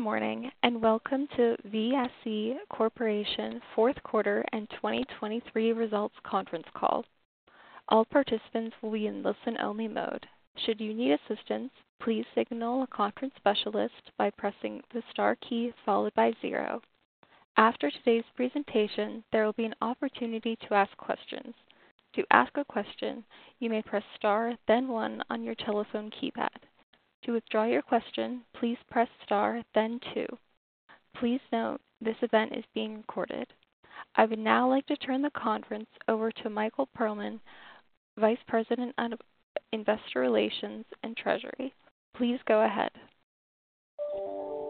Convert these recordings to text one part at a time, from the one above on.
Good morning and welcome to VSE Corporation fourth quarter and 2023 results conference call. All participants will be in listen-only mode. Should you need assistance, please signal a conference specialist by pressing the star key followed by 0. After today's presentation, there will be an opportunity to ask questions. To ask a question, you may press star then 1 on your telephone keypad. To withdraw your question, please press star then 2. Please note, this event is being recorded. I would now like to turn the conference over to Michael Perlman, Vice President, Investor Relations and Treasury. Please go ahead.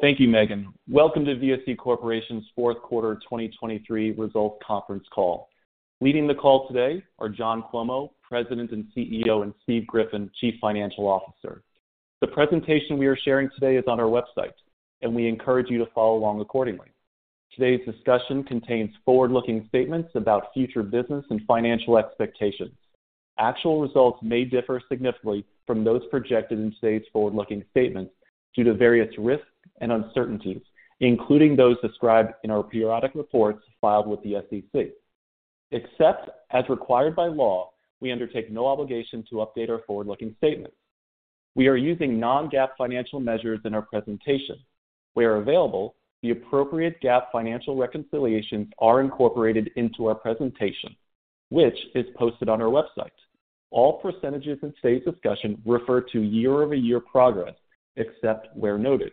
Thank you, Megan. Welcome to VSE Corporation's fourth quarter 2023 results conference call. Leading the call today are John Cuomo, President and CEO, and Steve Griffin, Chief Financial Officer. The presentation we are sharing today is on our website, and we encourage you to follow along accordingly. Today's discussion contains forward-looking statements about future business and financial expectations. Actual results may differ significantly from those projected in today's forward-looking statements due to various risks and uncertainties, including those described in our periodic reports filed with the SEC. Except as required by law, we undertake no obligation to update our forward-looking statements. We are using non-GAAP financial measures in our presentation. Where available, the appropriate GAAP financial reconciliations are incorporated into our presentation, which is posted on our website. All percentages in today's discussion refer to year-over-year progress, except where noted.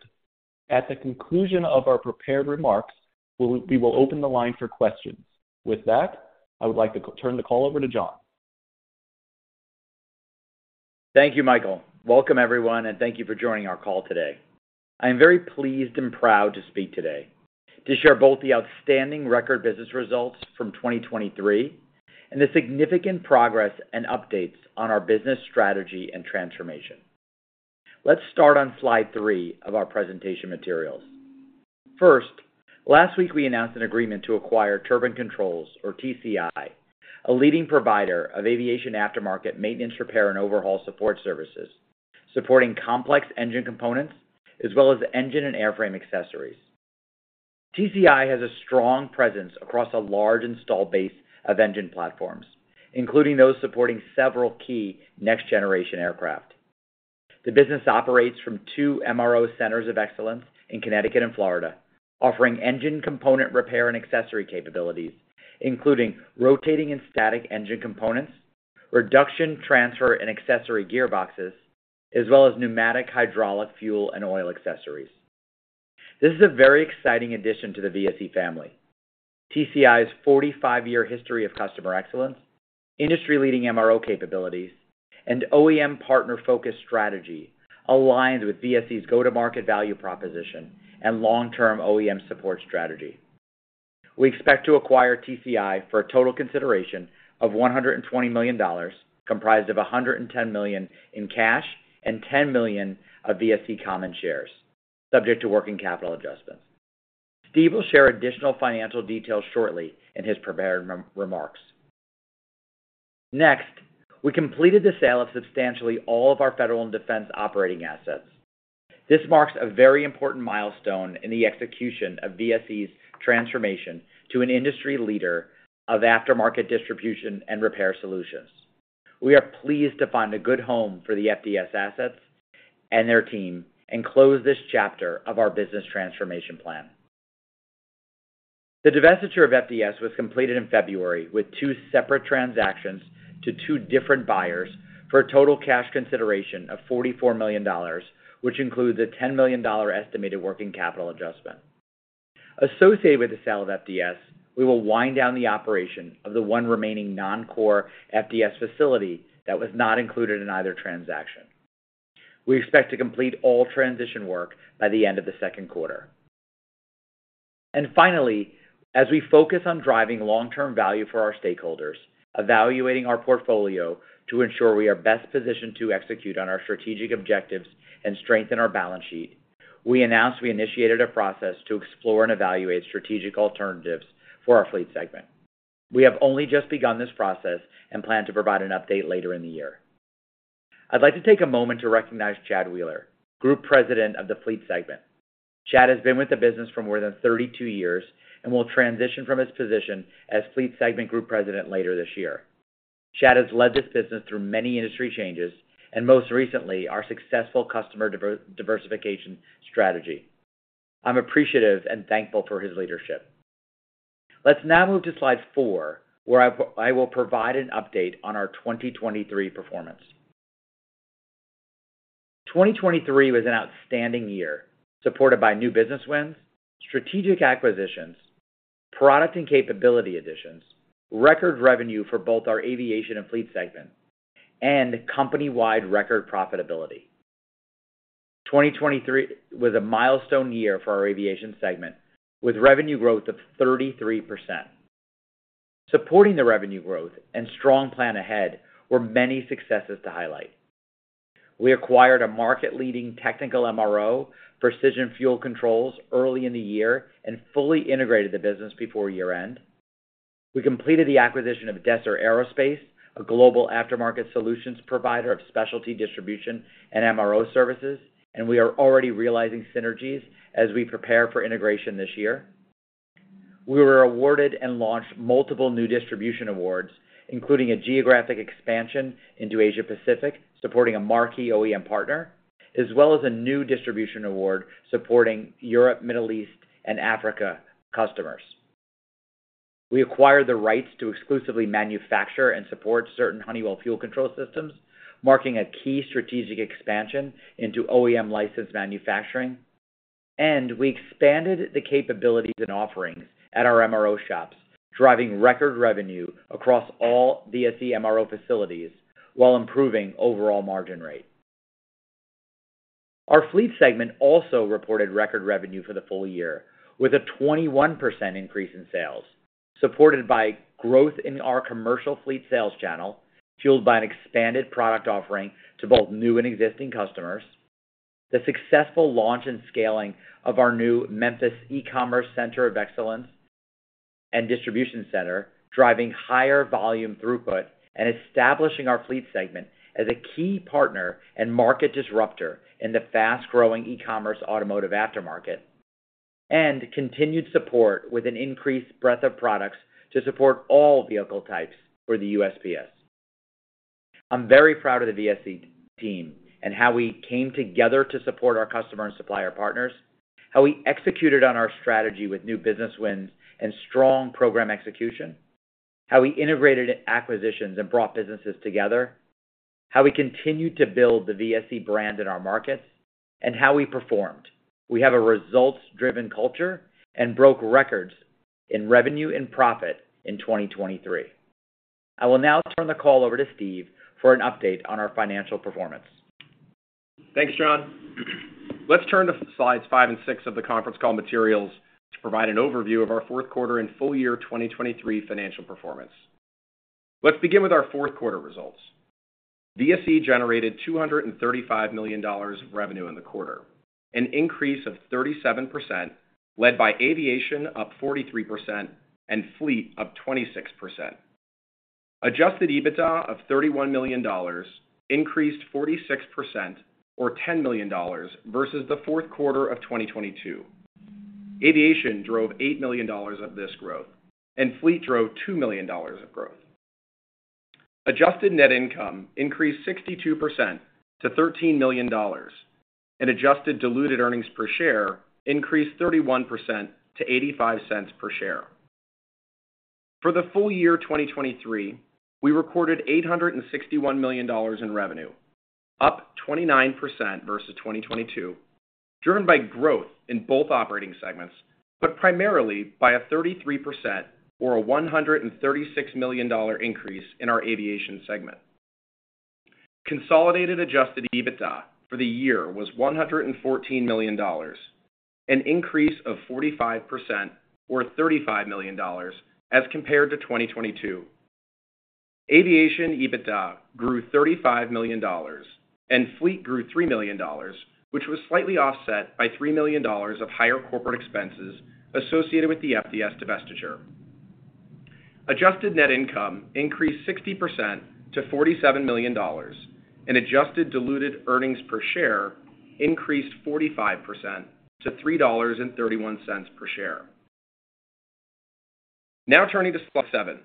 At the conclusion of our prepared remarks, we will open the line for questions. With that, I would like to turn the call over to John. Thank you, Michael. Welcome, everyone, and thank you for joining our call today. I am very pleased and proud to speak today to share both the outstanding record business results from 2023 and the significant progress and updates on our business strategy and transformation. Let's start on slide 3 of our presentation materials. First, last week we announced an agreement to acquire Turbine Controls, or TCI, a leading provider of aviation aftermarket maintenance, repair, and overhaul support services, supporting complex engine components as well as engine and airframe accessories. TCI has a strong presence across a large installed base of engine platforms, including those supporting several key next-generation aircraft. The business operates from two MRO centers of excellence in Connecticut and Florida, offering engine component repair and accessory capabilities, including rotating and static engine components, reduction transfer and accessory gearboxes, as well as pneumatic hydraulic fuel and oil accessories. This is a very exciting addition to the VSE family. TCI's 45-year history of customer excellence, industry-leading MRO capabilities, and OEM-partner-focused strategy align with VSE's go-to-market value proposition and long-term OEM support strategy. We expect to acquire TCI for a total consideration of $120 million, comprised of $110 million in cash and $10 million of VSE common shares, subject to working capital adjustments. Steve will share additional financial details shortly in his prepared remarks. Next, we completed the sale of substantially all of our federal and defense operating assets. This marks a very important milestone in the execution of VSE's transformation to an industry leader of aftermarket distribution and repair solutions. We are pleased to find a good home for the FDS assets and their team and close this chapter of our business transformation plan. The divestiture of FDS was completed in February with two separate transactions to two different buyers for a total cash consideration of $44 million, which includes a $10 million estimated working capital adjustment. Associated with the sale of FDS, we will wind down the operation of the one remaining non-core FDS facility that was not included in either transaction. We expect to complete all transition work by the end of the second quarter. Finally, as we focus on driving long-term value for our stakeholders, evaluating our portfolio to ensure we are best positioned to execute on our strategic objectives and strengthen our balance sheet, we announce we initiated a process to explore and evaluate strategic alternatives for our fleet segment. We have only just begun this process and plan to provide an update later in the year. I'd like to take a moment to recognize Chad Wheeler, Group President of the Fleet Segment. Chad has been with the business for more than 32 years and will transition from his position as Fleet Segment Group President later this year. Chad has led this business through many industry changes and, most recently, our successful customer diversification strategy. I'm appreciative and thankful for his leadership. Let's now move to slide 4, where I will provide an update on our 2023 performance. 2023 was an outstanding year, supported by new business wins, strategic acquisitions, product and capability additions, record revenue for both our Aviation and Fleet Segment, and company-wide record profitability. 2023 was a milestone year for our Aviation Segment, with revenue growth of 33%. Supporting the revenue growth and strong plan ahead were many successes to highlight. We acquired a market-leading technical MRO, Precision Fuel Controls, early in the year and fully integrated the business before year-end. We completed the acquisition of Desser Aerospace, a global aftermarket solutions provider of specialty distribution and MRO services, and we are already realizing synergies as we prepare for integration this year. We were awarded and launched multiple new distribution awards, including a geographic expansion into Asia-Pacific supporting a marquee OEM partner, as well as a new distribution award supporting Europe, Middle East, and Africa customers. We acquired the rights to exclusively manufacture and support certain Honeywell fuel control systems, marking a key strategic expansion into OEM-licensed manufacturing. We expanded the capabilities and offerings at our MRO shops, driving record revenue across all VSE MRO facilities while improving overall margin rate. Our fleet segment also reported record revenue for the full year, with a 21% increase in sales, supported by growth in our commercial fleet sales channel fueled by an expanded product offering to both new and existing customers, the successful launch and scaling of our new Memphis E-commerce Center of Excellence and Distribution Center driving higher volume throughput and establishing our fleet segment as a key partner and market disruptor in the fast-growing e-commerce automotive aftermarket, and continued support with an increased breadth of products to support all vehicle types for the USPS. I'm very proud of the VSE team and how we came together to support our customer and supplier partners, how we executed on our strategy with new business wins and strong program execution, how we integrated acquisitions and brought businesses together, how we continued to build the VSE brand in our markets, and how we performed. We have a results-driven culture and broke records in revenue and profit in 2023. I will now turn the call over to Steve for an update on our financial performance. Thanks, John. Let's turn to slides 5 and 6 of the conference call materials to provide an overview of our fourth quarter and full-year 2023 financial performance. Let's begin with our fourth quarter results. VSE generated $235 million of revenue in the quarter, an increase of 37% led by aviation up 43% and fleet up 26%. Adjusted EBITDA of $31 million increased 46% or $10 million versus the fourth quarter of 2022. Aviation drove $8 million of this growth, and fleet drove $2 million of growth. Adjusted net income increased 62% to $13 million, and adjusted diluted earnings per share increased 31% to $0.85 per share. For the full year 2023, we recorded $861 million in revenue, up 29% versus 2022, driven by growth in both operating segments but primarily by a 33% or a $136 million increase in our aviation segment. Consolidated adjusted EBITDA for the year was $114 million, an increase of 45% or $35 million as compared to 2022. Aviation EBITDA grew $35 million, and fleet grew $3 million, which was slightly offset by $3 million of higher corporate expenses associated with the FDS divestiture. Adjusted net income increased 60% to $47 million, and adjusted diluted earnings per share increased 45% to $3.31 per share. Now turning to Slide 7.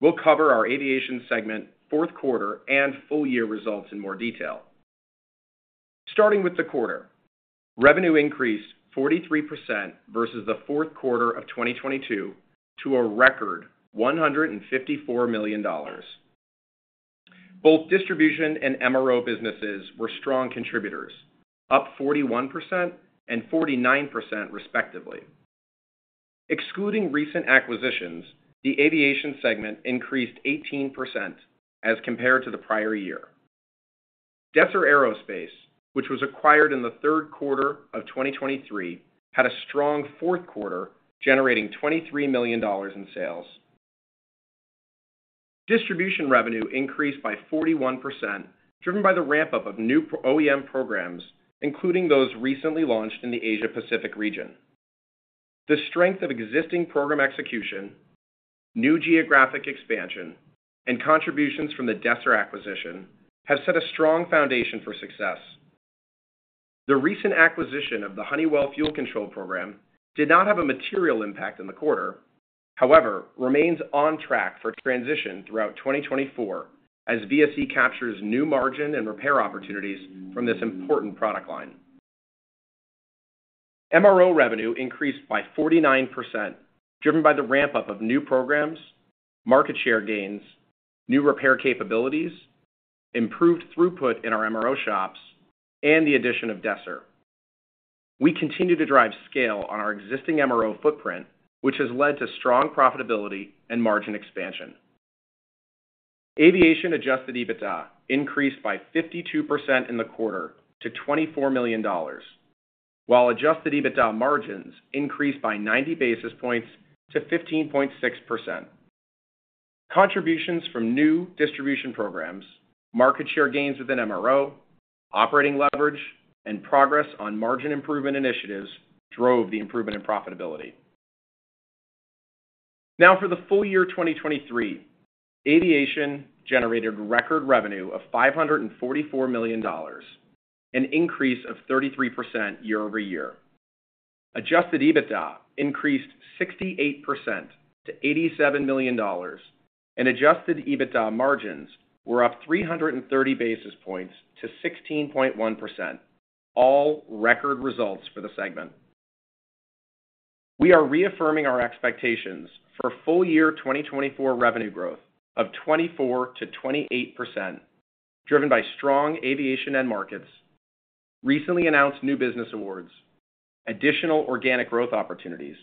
We'll cover our aviation segment fourth quarter and full-year results in more detail. Starting with the quarter, revenue increased 43% versus the fourth quarter of 2022 to a record $154 million. Both distribution and MRO businesses were strong contributors, up 41% and 49% respectively. Excluding recent acquisitions, the aviation segment increased 18% as compared to the prior year. Desser Aerospace, which was acquired in the third quarter of 2023, had a strong fourth quarter generating $23 million in sales. Distribution revenue increased by 41% driven by the ramp-up of new OEM programs, including those recently launched in the Asia-Pacific region. The strength of existing program execution, new geographic expansion, and contributions from the Desser acquisition have set a strong foundation for success. The recent acquisition of the Honeywell fuel control program did not have a material impact in the quarter. However, remains on track for transition throughout 2024 as VSE captures new margin and repair opportunities from this important product line. MRO revenue increased by 49% driven by the ramp-up of new programs, market share gains, new repair capabilities, improved throughput in our MRO shops, and the addition of Desser. We continue to drive scale on our existing MRO footprint, which has led to strong profitability and margin expansion. Aviation adjusted EBITDA increased by 52% in the quarter to $24 million, while adjusted EBITDA margins increased by 90 basis points to 15.6%. Contributions from new distribution programs, market share gains within MRO, operating leverage, and progress on margin improvement initiatives drove the improvement in profitability. Now for the full year 2023, aviation generated record revenue of $544 million, an increase of 33% year over year. Adjusted EBITDA increased 68% to $87 million, and adjusted EBITDA margins were up 330 basis points to 16.1%, all record results for the segment. We are reaffirming our expectations for full-year 2024 revenue growth of 24%-28% driven by strong aviation end markets, recently announced new business awards, additional organic growth opportunities,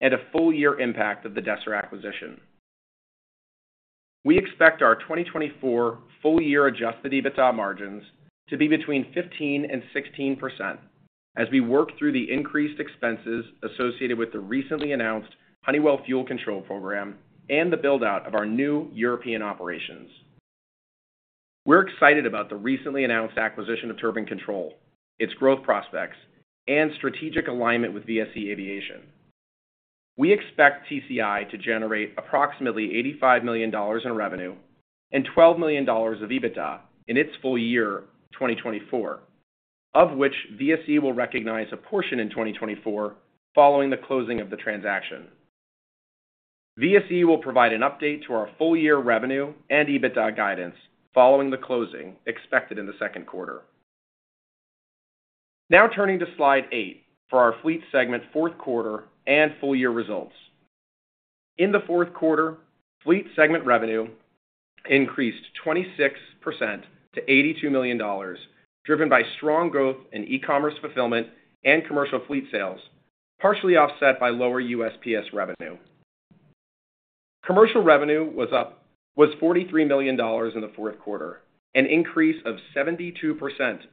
and a full-year impact of the Desser acquisition. We expect our 2024 full-year Adjusted EBITDA margins to be between 15% and 16% as we work through the increased expenses associated with the recently announced Honeywell fuel control program and the build-out of our new European operations. We're excited about the recently announced acquisition of Turbine Controls, its growth prospects, and strategic alignment with VSE Aviation. We expect TCI to generate approximately $85 million in revenue and $12 million of EBITDA in its full year 2024, of which VSE will recognize a portion in 2024 following the closing of the transaction. VSE will provide an update to our full-year revenue and EBITDA guidance following the closing expected in the second quarter. Now turning to slide 8 for our fleet segment fourth quarter and full-year results. In the fourth quarter, fleet segment revenue increased 26% to $82 million driven by strong growth in e-commerce fulfillment and commercial fleet sales, partially offset by lower USPS revenue. Commercial revenue was $43 million in the fourth quarter, an increase of 72%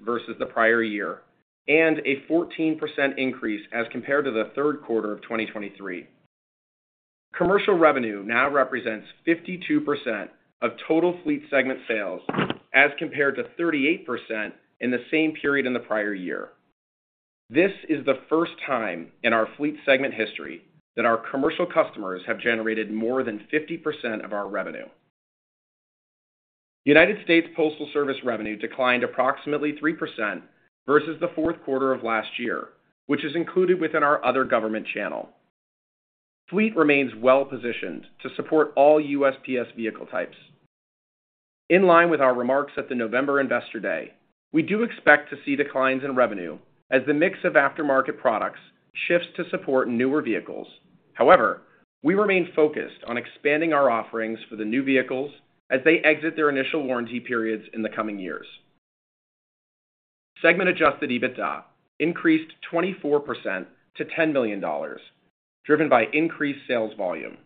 versus the prior year and a 14% increase as compared to the third quarter of 2023. Commercial revenue now represents 52% of total fleet segment sales as compared to 38% in the same period in the prior year. This is the first time in our fleet segment history that our commercial customers have generated more than 50% of our revenue. United States Postal Service revenue declined approximately 3% versus the fourth quarter of last year, which is included within our other government channel. Fleet remains well-positioned to support all USPS vehicle types. In line with our remarks at the November Investor Day, we do expect to see declines in revenue as the mix of aftermarket products shifts to support newer vehicles. However, we remain focused on expanding our offerings for the new vehicles as they exit their initial warranty periods in the coming years. Segment Adjusted EBITDA increased 24% to $10 million driven by increased sales volume.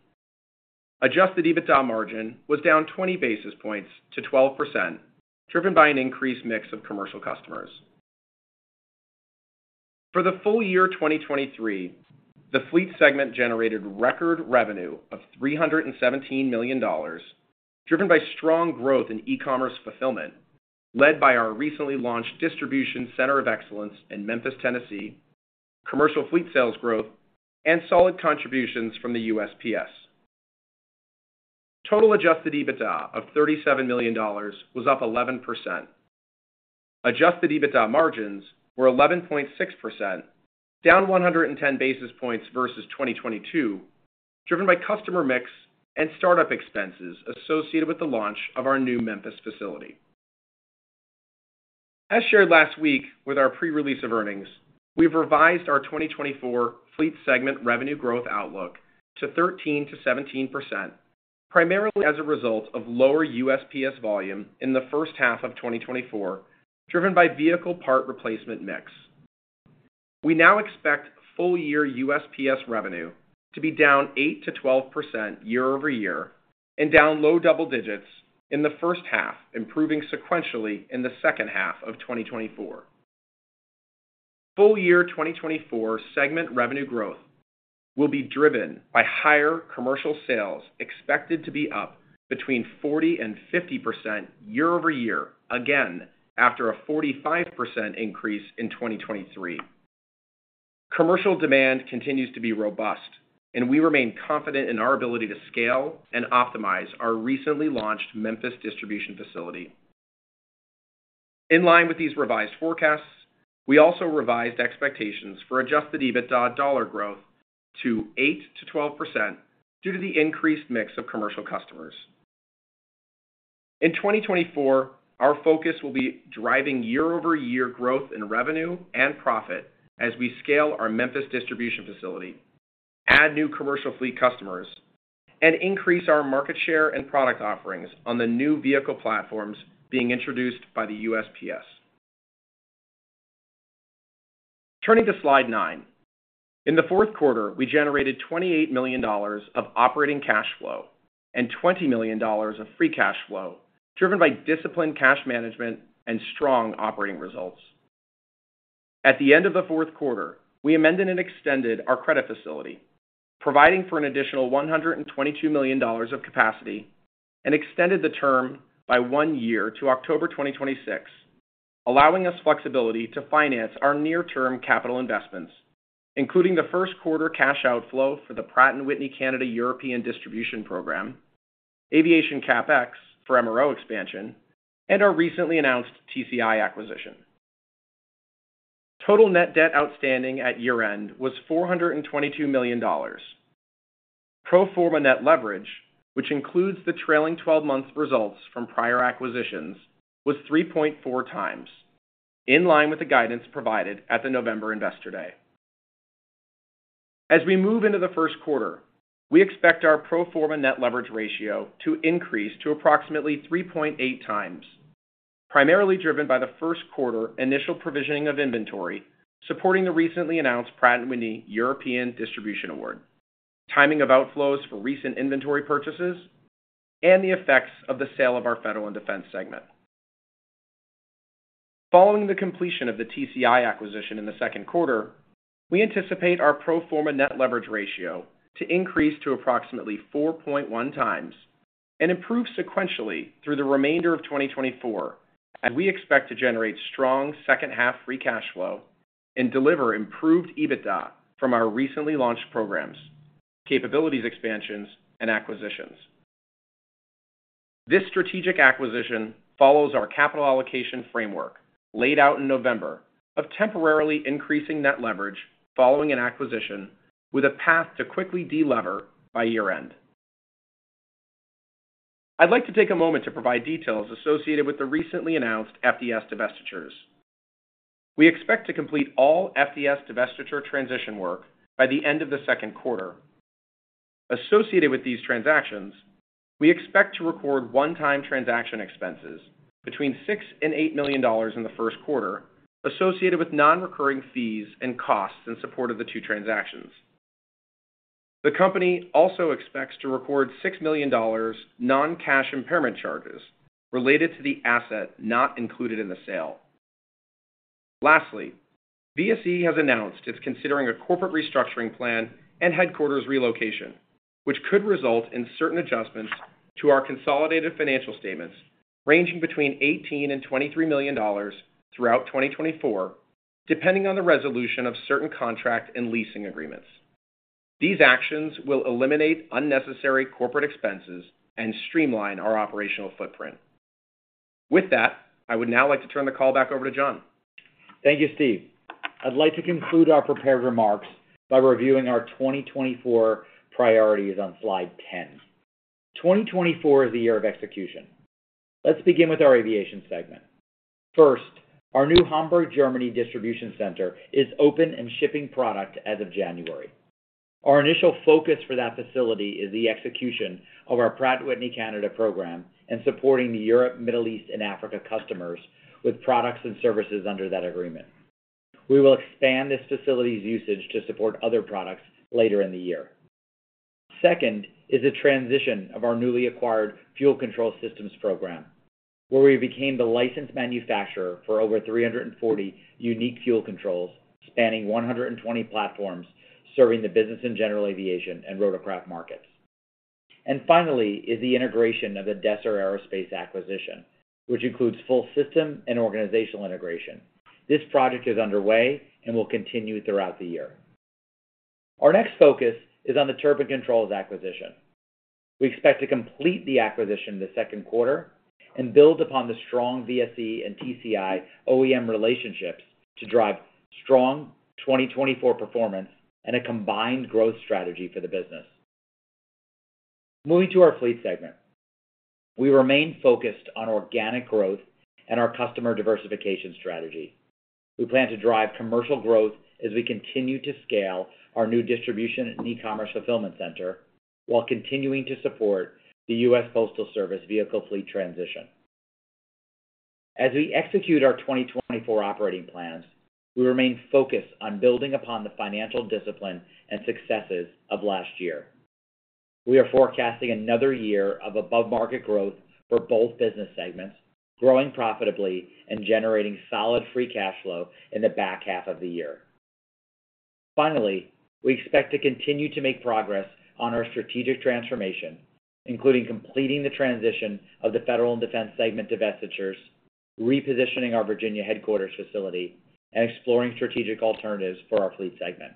Adjusted EBITDA margin was down 20 basis points to 12% driven by an increased mix of commercial customers. For the full year 2023, the fleet segment generated record revenue of $317 million driven by strong growth in e-commerce fulfillment led by our recently launched Distribution Center of Excellence in Memphis, Tennessee, commercial fleet sales growth, and solid contributions from the USPS. Total Adjusted EBITDA of $37 million was up 11%. Adjusted EBITDA margins were 11.6%, down 110 basis points versus 2022, driven by customer mix and startup expenses associated with the launch of our new Memphis facility. As shared last week with our pre-release of earnings, we've revised our 2024 fleet segment revenue growth outlook to 13%-17% primarily as a result of lower USPS volume in the first half of 2024 driven by vehicle part replacement mix. We now expect full-year USPS revenue to be down 8%-12% year over year and down low double digits in the first half, improving sequentially in the second half of 2024. Full year 2024 segment revenue growth will be driven by higher commercial sales expected to be up between 40% and 50% year over year again after a 45% increase in 2023. Commercial demand continues to be robust, and we remain confident in our ability to scale and optimize our recently launched Memphis distribution facility. In line with these revised forecasts, we also revised expectations for adjusted EBITDA dollar growth to 8%-12% due to the increased mix of commercial customers. In 2024, our focus will be driving year-over-year growth in revenue and profit as we scale our Memphis distribution facility, add new commercial fleet customers, and increase our market share and product offerings on the new vehicle platforms being introduced by the USPS. Turning to slide 9. In the fourth quarter, we generated $28 million of operating cash flow and $20 million of free cash flow driven by disciplined cash management and strong operating results. At the end of the fourth quarter, we amended and extended our credit facility, providing for an additional $122 million of capacity, and extended the term by one year to October 2026, allowing us flexibility to finance our near-term capital investments, including the first quarter cash outflow for the Pratt & Whitney Canada European Distribution Program, Aviation CapEx for MRO expansion, and our recently announced TCI acquisition. Total net debt outstanding at year-end was $422 million. Pro forma net leverage, which includes the trailing 12 months' results from prior acquisitions, was 3.4x, in line with the guidance provided at the November Investor Day. As we move into the first quarter, we expect our pro forma net leverage ratio to increase to approximately 3.8 times, primarily driven by the first quarter initial provisioning of inventory supporting the recently announced Pratt & Whitney European Distribution Award, timing of outflows for recent inventory purchases, and the effects of the sale of our Federal and Defense Segment. Following the completion of the TCI acquisition in the second quarter, we anticipate our pro forma net leverage ratio to increase to approximately 4.1 times and improve sequentially through the remainder of 2024 as we expect to generate strong second-half free cash flow and deliver improved EBITDA from our recently launched programs, capabilities expansions, and acquisitions. This strategic acquisition follows our capital allocation framework laid out in November of temporarily increasing net leverage following an acquisition with a path to quickly de-lever by year-end. I'd like to take a moment to provide details associated with the recently announced FDS divestitures. We expect to complete all FDS divestiture transition work by the end of the second quarter. Associated with these transactions, we expect to record one-time transaction expenses between $6-$8 million in the first quarter associated with non-recurring fees and costs in support of the two transactions. The company also expects to record $6 million non-cash impairment charges related to the asset not included in the sale. Lastly, VSE has announced it's considering a corporate restructuring plan and headquarters relocation, which could result in certain adjustments to our consolidated financial statements ranging between $18-$23 million throughout 2024, depending on the resolution of certain contract and leasing agreements. These actions will eliminate unnecessary corporate expenses and streamline our operational footprint. With that, I would now like to turn the call back over to John. Thank you, Steve. I'd like to conclude our prepared remarks by reviewing our 2024 priorities on slide 10. 2024 is the year of execution. Let's begin with our aviation segment. First, our new Hamburg, Germany distribution center is open and shipping product as of January. Our initial focus for that facility is the execution of our Pratt & Whitney Canada program and supporting the Europe, Middle East, and Africa customers with products and services under that agreement. We will expand this facility's usage to support other products later in the year. Second is the transition of our newly acquired fuel control systems program, where we became the licensed manufacturer for over 340 unique fuel controls spanning 120 platforms serving the business and general aviation and rotorcraft markets. Finally is the integration of the Desser Aerospace acquisition, which includes full system and organizational integration. This project is underway and will continue throughout the year. Our next focus is on the Turbine Controls acquisition. We expect to complete the acquisition in the second quarter and build upon the strong VSE and TCI OEM relationships to drive strong 2024 performance and a combined growth strategy for the business. Moving to our fleet segment, we remain focused on organic growth and our customer diversification strategy. We plan to drive commercial growth as we continue to scale our new distribution and e-commerce fulfillment center while continuing to support the US Postal Service vehicle fleet transition. As we execute our 2024 operating plans, we remain focused on building upon the financial discipline and successes of last year. We are forecasting another year of above-market growth for both business segments, growing profitably and generating solid free cash flow in the back half of the year. Finally, we expect to continue to make progress on our strategic transformation, including completing the transition of the federal and defense segment divestitures, repositioning our Virginia headquarters facility, and exploring strategic alternatives for our fleet segment.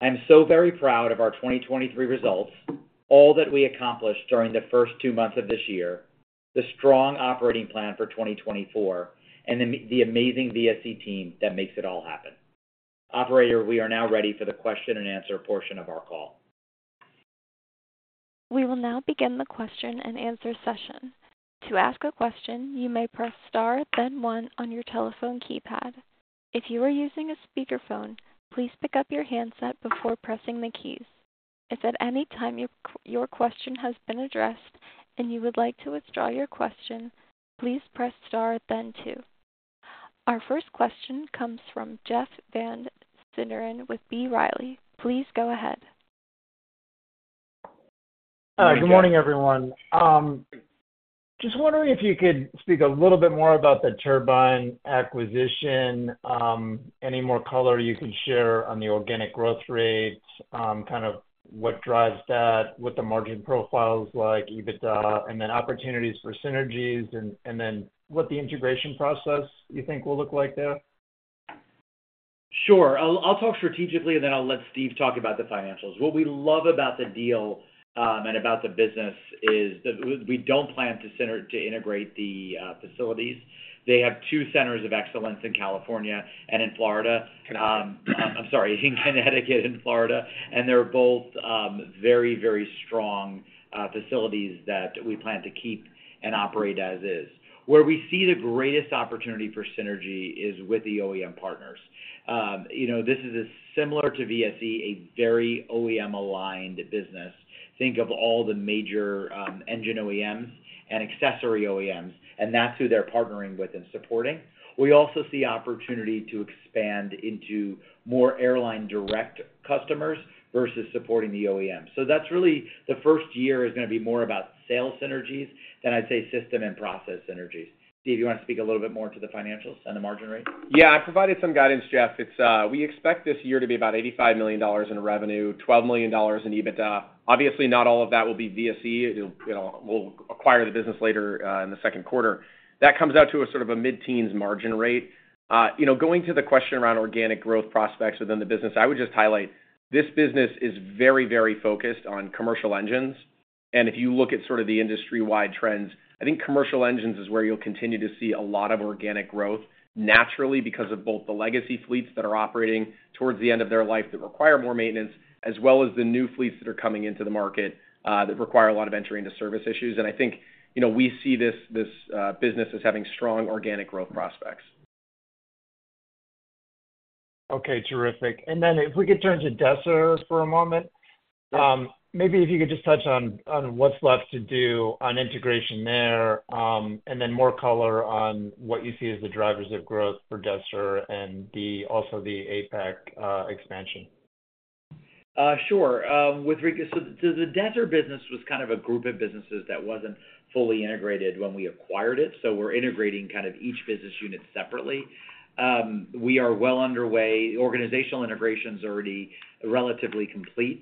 I am so very proud of our 2023 results, all that we accomplished during the first two months of this year, the strong operating plan for 2024, and the amazing VSE team that makes it all happen. Operator, we are now ready for the question and answer portion of our call. We will now begin the question and answer session. To ask a question, you may press star, then one on your telephone keypad. If you are using a speakerphone, please pick up your handset before pressing the keys. If at any time your question has been addressed and you would like to withdraw your question, please press star, then two. Our first question comes from Jeff Van Sinderen with B. Riley. Please go ahead. Good morning, everyone. Just wondering if you could speak a little bit more about the turbine acquisition, any more color you could share on the organic growth rates, kind of what drives that, what the margin profile's like, EBITDA, and then opportunities for synergies, and then what the integration process you think will look like there? Sure. I'll talk strategically, and then I'll let Steve talk about the financials. What we love about the deal and about the business is we don't plan to integrate the facilities. They have two centers of excellence in California and in Florida. I'm sorry, in Connecticut and Florida. They're both very, very strong facilities that we plan to keep and operate as is. Where we see the greatest opportunity for synergy is with the OEM partners. This is similar to VSE, a very OEM-aligned business. Think of all the major engine OEMs and accessory OEMs, and that's who they're partnering with and supporting. We also see opportunity to expand into more airline direct customers versus supporting the OEM. So that's really the first year is going to be more aout sales synergies than I'd say system and process synergies. Steve, you want to speak a little bit more to the financials and the margin rate? Yeah. I provided some guidance, Jeff. We expect this year to be about $85 million in revenue, $12 million in EBITDA. Obviously, not all of that will be VSE. We'll acquire the business later in the second quarter. That comes out to a sort of a mid-teens margin rate. Going to the question around organic growth prospects within the business, I would just highlight this business is very, very focused on commercial engines. And if you look at sort of the industry-wide trends, I think commercial engines is where you'll continue to see a lot of organic growth naturally because of both the legacy fleets that are operating towards the end of their life that require more maintenance, as well as the new fleets that are coming into the market that require a lot of entry-into-service issues. And I think we see this business as having strong organic growth prospects. Okay. Terrific. And then if we could turn to Desser for a moment, maybe if you could just touch on what's left to do on integration there and then more color on what you see as the drivers of growth for Desser and also the Asia-Pacific expansion. Sure. So the Desser business was kind of a group of businesses that wasn't fully integrated when we acquired it. So we're integrating kind of each business unit separately. We are well underway. Organizational integration's already relatively complete.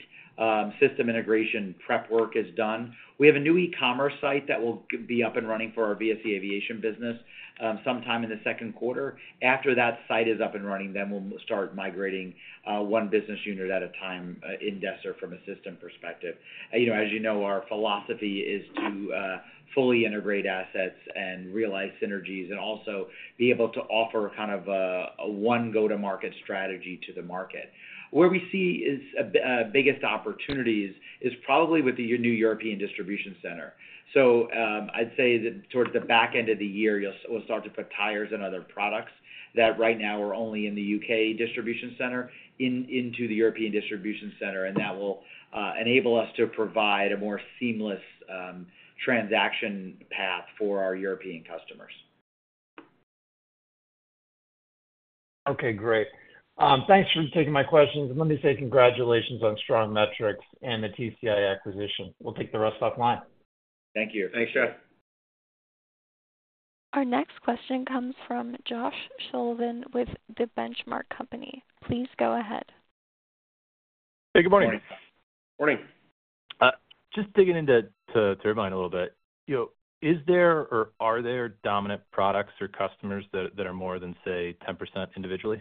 System integration prep work is done. We have a new e-commerce site that will be up and running for our VSE aviation business sometime in the second quarter. After that site is up and running, then we'll start migrating one business unit at a time in Desser from a system perspective. As you know, our philosophy is to fully integrate assets and realize synergies and also be able to offer kind of a one go-to-market strategy to the market. Where we see the biggest opportunities is probably with your new European distribution center. So I'd say that towards the back end of the year, we'll start to put tires and other products that right now are only in the UK distribution center into the European distribution center. And that will enable us to provide a more seamless transaction path for our European customers. Okay. Great. Thanks for taking my questions. Let me say congratulations on strong metrics and the TCI acquisition. We'll take the rest offline. Thank you. Thanks, Jeff. Our next question comes from Josh Sullivan with The Benchmark Company. Please go ahead. Hey. Good morning. Morning. Just digging into turbine a little bit. Is there or are there dominant products or customers that are more than, say, 10% individually?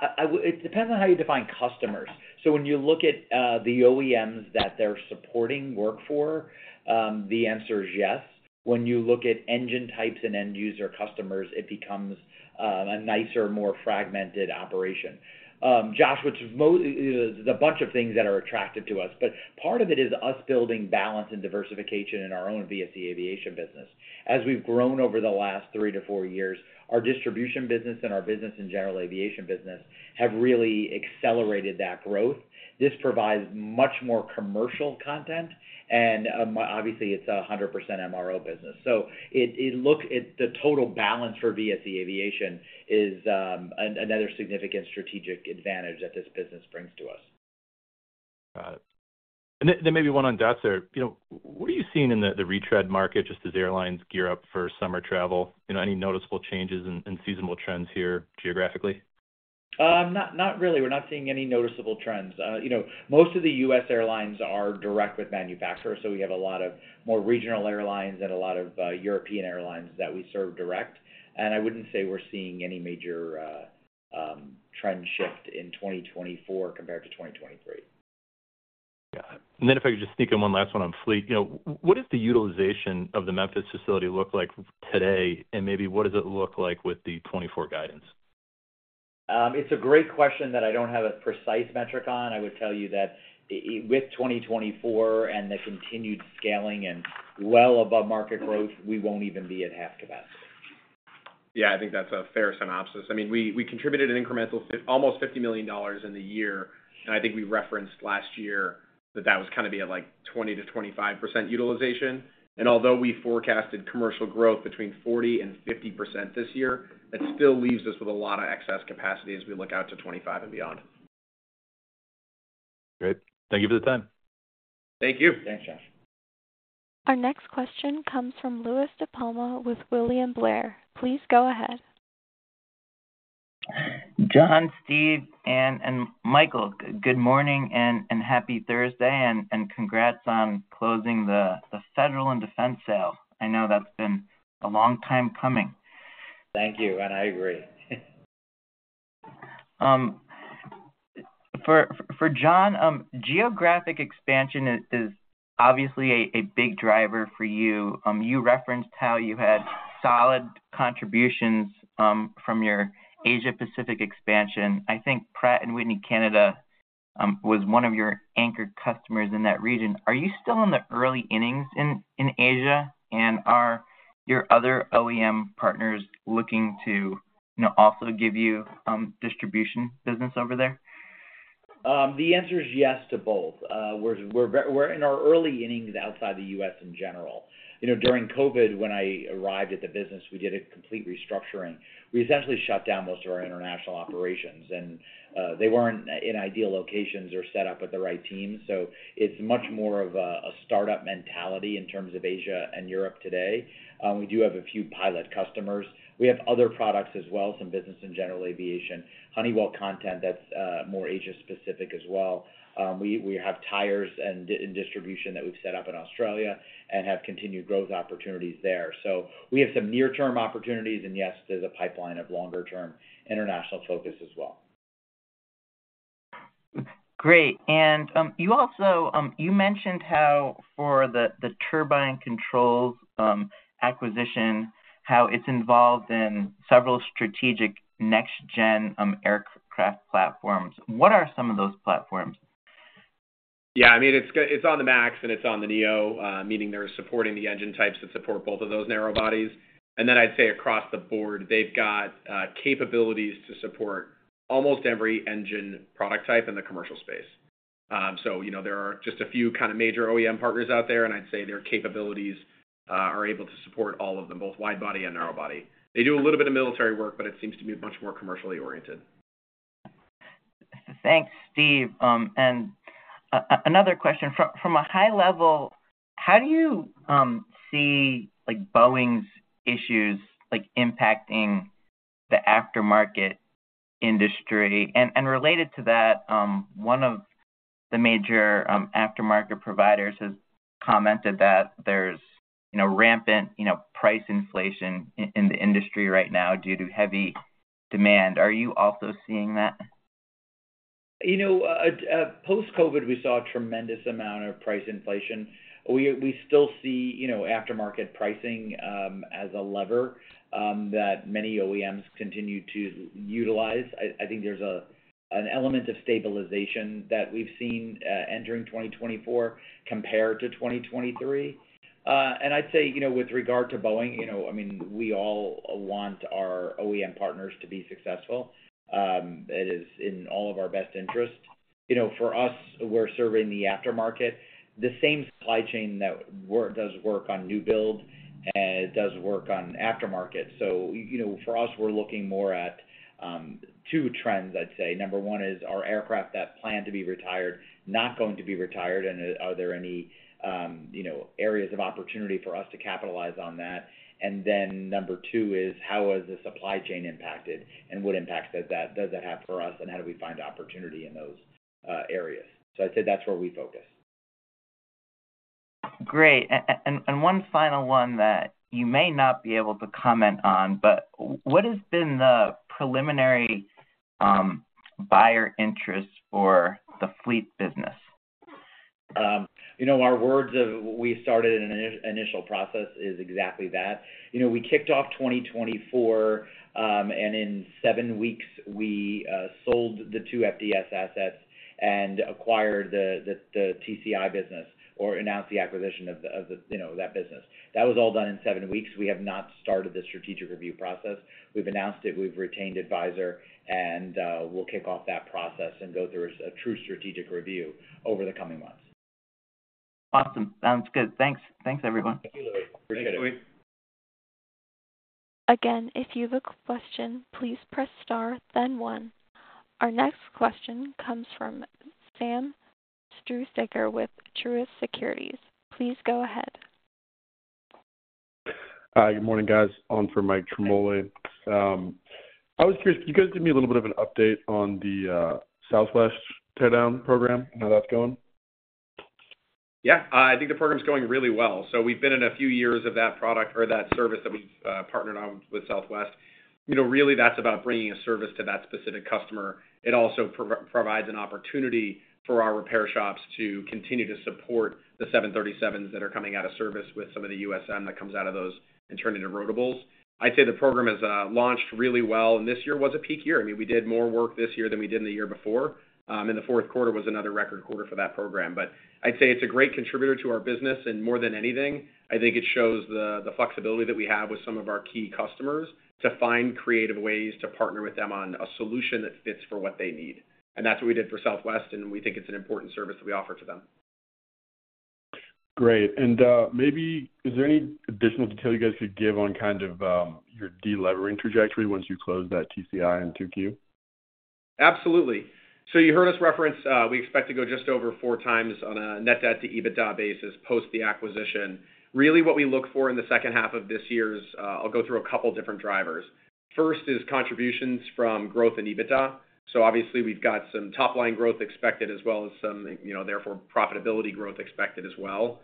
It depends on how you define customers. So when you look at the OEMs that they're supporting work for, the answer is yes. When you look at engine types and end-user customers, it becomes a nicer, more fragmented operation. Josh, there's a bunch of things that are attractive to us, but part of it is us building balance and diversification in our own VSE aviation business. As we've grown over the last 3-4 years, our distribution business and our business and general aviation business have really accelerated that growth. This provides much more commercial content. And obviously, it's a 100% MRO business. So the total balance for VSE aviation is another significant strategic advantage that this business brings to us. Got it. And then maybe one on Desser. What are you seeing in the retread market, just as airlines gear up for summer travel? Any noticeable changes and seasonal trends here geographically? Not really. We're not seeing any noticeable trends. Most of the U.S. airlines are direct with manufacturers. So we have a lot of more regional airlines and a lot of European airlines that we serve direct. I wouldn't say we're seeing any major trend shift in 2024 compared to 2023. Got it. And then if I could just sneak in one last one on fleet, what does the utilization of the Memphis facility look like today? And maybe what does it look like with the 2024 guidance? It's a great question that I don't have a precise metric on. I would tell you that with 2024 and the continued scaling and well above-market growth, we won't even be at half capacity. Yeah. I think that's a fair synopsis. I mean, we contributed an incremental almost $50 million in the year. And I think we referenced last year that that was kind of be at like 20%-25% utilization. And although we forecasted commercial growth between 40%-50% this year, that still leaves us with a lot of excess capacity as we look out to 2025 and beyond. Great. Thank you for the time. Thank you. Thanks, Josh. Our next question comes from Louis DiPalma with William Blair. Please go ahead. John, Steve, and Michael, good morning and happy Thursday. Congrats on closing the Federal and Defense sale. I know that's been a long time coming. Thank you. And I agree. For John, geographic expansion is obviously a big driver for you. You referenced how you had solid contributions from your Asia-Pacific expansion. I think Pratt & Whitney Canada was one of your anchor customers in that region. Are you still in the early innings in Asia? And are your other OEM partners looking to also give you distribution business over there? The answer is yes to both. We're in our early innings outside the U.S. in general. During COVID, when I arrived at the business, we did a complete restructuring. We essentially shut down most of our international operations. They weren't in ideal locations or set up with the right teams. It's much more of a startup mentality in terms of Asia and Europe today. We do have a few pilot customers. We have other products as well, some business and general aviation, Honeywell content that's more Asia-specific as well. We have tires and distribution that we've set up in Australia and have continued growth opportunities there. We have some near-term opportunities. Yes, there's a pipeline of longer-term international focus as well. Great. And you mentioned how for the turbine controls acquisition, how it's involved in several strategic next-gen aircraft platforms. What are some of those platforms? Yeah. I mean, it's on the MAX and it's on the NEO, meaning they're supporting the engine types that support both of those narrowbodies. And then I'd say across the board, they've got capabilities to support almost every engine product type in the commercial space. So there are just a few kind of major OEM partners out there. And I'd say their capabilities are able to support all of them, both widebody and narrowbody. They do a little bit of military work, but it seems to be much more commercially oriented. Thanks, Steve. And another question. From a high level, how do you see Boeing's issues impacting the aftermarket industry? And related to that, one of the major aftermarket providers has commented that there's rampant price inflation in the industry right now due to heavy demand. Are you also seeing that? Post-COVID, we saw a tremendous amount of price inflation. We still see aftermarket pricing as a lever that many OEMs continue to utilize. I think there's an element of stabilization that we've seen entering 2024 compared to 2023. And I'd say with regard to Boeing, I mean, we all want our OEM partners to be successful. It is in all of our best interest. For us, we're serving the aftermarket. The same supply chain that does work on new build does work on aftermarket. So for us, we're looking more at two trends, I'd say. Number one is our aircraft that plan to be retired, not going to be retired. And are there any areas of opportunity for us to capitalize on that? And then number two is how is the supply chain impacted and what impacts does that have for us, and how do we find opportunity in those areas? So I'd say that's where we focus. Great. And one final one that you may not be able to comment on, but what has been the preliminary buyer interest for the fleet business? Our words of we started an initial process is exactly that. We kicked off 2024. In seven weeks, we sold the two FDS assets and acquired the TCI business or announced the acquisition of that business. That was all done in seven weeks. We have not started the strategic review process. We've announced it. We've retained advisor. We'll kick off that process and go through a true strategic review over the coming months. Awesome. Sounds good. Thanks, everyone. Thank you, Louis. Appreciate it. Again, if you have a question, please press star, then one. Our next question comes from Sam Struhsaker with Truist Securities. Please go ahead. Good morning, guys. On for Michael Ciarmoli. I was curious, could you guys give me a little bit of an update on the Southwest teardown program and how that's going? Yeah. I think the program's going really well. So we've been in a few years of that product or that service that we've partnered on with Southwest. Really, that's about bringing a service to that specific customer. It also provides an opportunity for our repair shops to continue to support the 737s that are coming out of service with some of the USM that comes out of those and turn into rotables. I'd say the program has launched really well. And this year was a peak year. I mean, we did more work this year than we did in the year before. And the fourth quarter was another record quarter for that program. But I'd say it's a great contributor to our business. More than anything, I think it shows the flexibility that we have with some of our key customers to find creative ways to partner with them on a solution that fits for what they need. That's what we did for Southwest. We think it's an important service that we offer to them. Great. Maybe is there any additional detail you guys could give on kind of your delevering trajectory once you close that TCI and 2Q? Absolutely. So you heard us reference we expect to go just over 4x on a net debt to EBITDA basis post the acquisition. Really, what we look for in the second half of this year is I'll go through a couple of different drivers. First is contributions from growth in EBITDA. So obviously, we've got some top-line growth expected as well as some, therefore, profitability growth expected as well.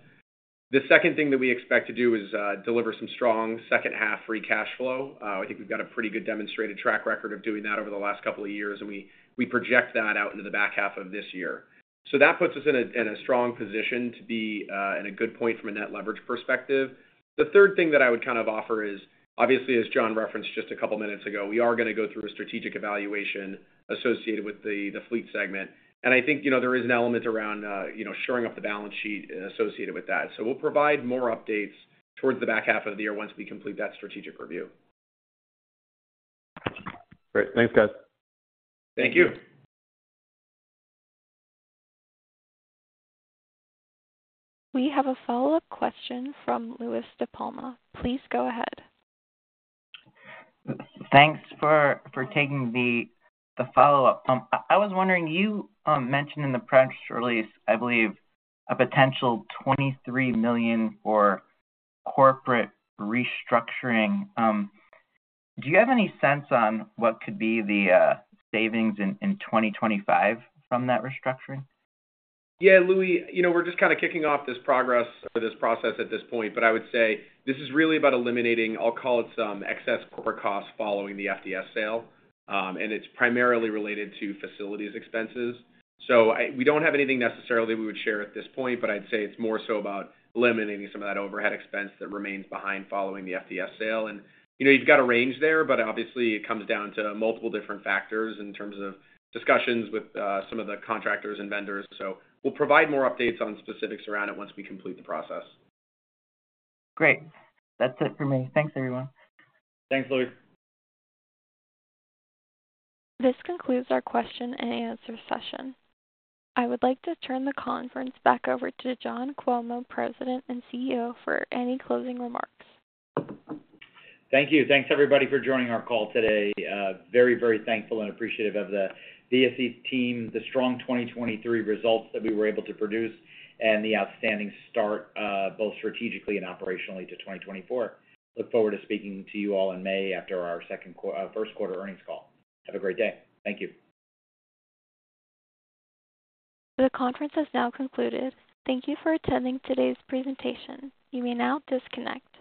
The second thing that we expect to do is deliver some strong second-half free cash flow. I think we've got a pretty good demonstrated track record of doing that over the last couple of years. And we project that out into the back half of this year. So that puts us in a strong position to be in a good point from a net leverage perspective. The third thing that I would kind of offer is, obviously, as John referenced just a couple of minutes ago, we are going to go through a strategic evaluation associated with the fleet segment. I think there is an element around shoring up the balance sheet associated with that. We'll provide more updates towards the back half of the year once we complete that strategic review. Great. Thanks, guys. Thank you. We have a follow-up question from Louie DiPalma. Please go ahead. Thanks for taking the follow-up. I was wondering, you mentioned in the press release, I believe, a potential $23 million for corporate restructuring. Do you have any sense on what could be the savings in 2025 from that restructuring? Yeah, Louis. We're just kind of kicking off this progress or this process at this point. But I would say this is really about eliminating I'll call it some excess corporate costs following the FDS sale. And it's primarily related to facilities expenses. So we don't have anything necessarily we would share at this point. But I'd say it's more so about eliminating some of that overhead expense that remains behind following the FDS sale. And you've got a range there. But obviously, it comes down to multiple different factors in terms of discussions with some of the contractors and vendors. So we'll provide more updates on specifics around it once we complete the process. Great. That's it for me. Thanks, everyone. Thanks, Louis. This concludes our question and answer session. I would like to turn the conference back over to John Cuomo, President and CEO, for any closing remarks. Thank you. Thanks, everybody, for joining our call today. Very, very thankful and appreciative of the VSE team, the strong 2023 results that we were able to produce, and the outstanding start both strategically and operationally to 2024. Look forward to speaking to you all in May after our first quarter earnings call. Have a great day. Thank you. The conference has now concluded. Thank you for attending today's presentation. You may now disconnect.